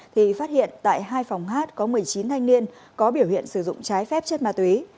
thì phát hiện tại hai phòng hát có một mươi chín thanh niên có biểu hiện sử dụng trái phép chất ma túy